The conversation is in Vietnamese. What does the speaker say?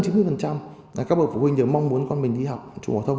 các bậc phụ huynh đều mong muốn con mình đi học trung học phổ thông